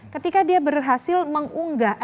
ketika dia berhasil mengunggah